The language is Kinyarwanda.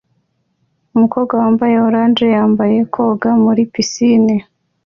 Umukobwa wambaye orange yambaye koga muri pisine